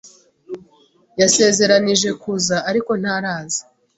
Yasezeranije kuza, ariko ntaraza.